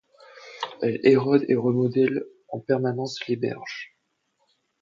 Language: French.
Elle érode et remodèle en permanence les berges.